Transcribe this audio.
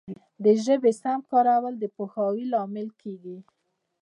د ژبي سم کارول د پوهاوي لامل کیږي.